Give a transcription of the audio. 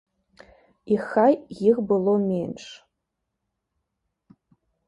І хай іх было менш.